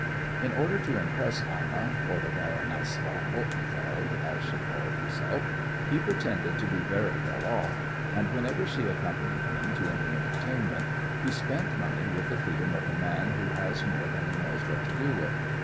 In order to impress Anna, or the Baroness von Hotenfeld, as she called herself, he pretended to be very well off, and whenever she accompanied him to any entertainment he spent money with the freedom of a man who has more than he knows what to do with.